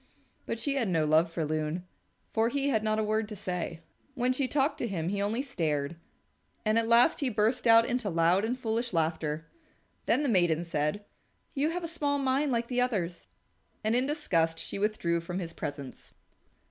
But she had no love for Loon, for he had not a word to say. When she talked to him he only stared, and at last he burst out into loud and foolish laughter. Then the maiden said, "You have a small mind like the others," and in disgust she withdrew from his presence.